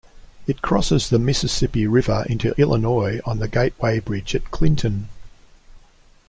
It crosses the Mississippi River into Illinois on the Gateway Bridge at Clinton.